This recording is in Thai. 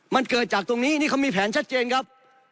มันเกิดจากตรงนี้นี่เขามีแผนชัดเจนครับ